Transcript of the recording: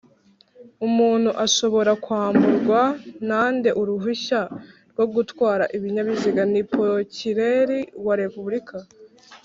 umuntu ashobora kwamburwa nande Uruhushya rwo gutwara Ibinyabiziga?ni porokireri wa repuburika